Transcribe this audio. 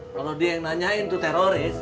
kalo dia yang nanyain tuh teroris